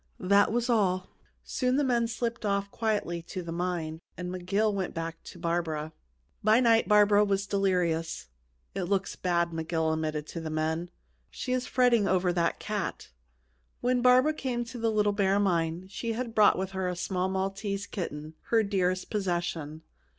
That was all. Soon the men slipped off quietly to the mine, and McGill went back to Barbara. By night Barbara was delirious. "It looks bad," McGill admitted to the men. "She is fretting over that cat." When Barbara came to the Little Bear Mine, she had brought with her a small Maltese kitten, her dearest possession.